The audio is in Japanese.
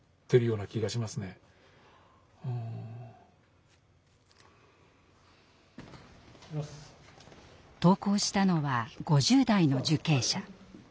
うん。投稿したのは５０代の受刑者。